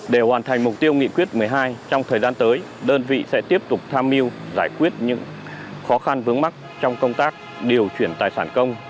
để hoàn thành mục tiêu nghị quyết một mươi hai trong thời gian tới đơn vị sẽ tiếp tục tham mưu giải quyết những khó khăn vướng mắt trong công tác điều chuyển tài sản công